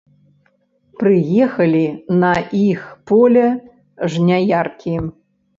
Прыехалі на іх поле жняяркі.